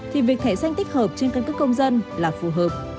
thì việc thẻ xanh tích hợp trên căn cước công dân là phù hợp